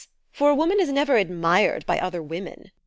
For a woman is never admired by other women.